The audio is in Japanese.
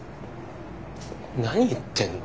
何言ってんの？